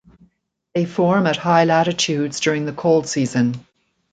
They form at high latitudes during the cold season.